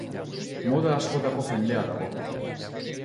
Mota askotako jendea dago.